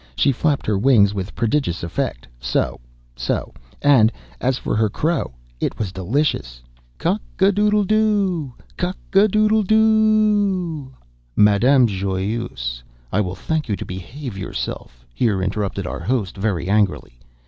She flapped her wings with prodigious effect—so—so—so—and, as for her crow, it was delicious! Cock a doodle doo!—cock a doodle doo!—cock a doodle de doo dooo do o o o o o o!" "Madame Joyeuse, I will thank you to behave yourself!" here interrupted our host, very angrily.